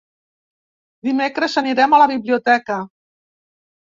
Dimecres anirem a la biblioteca.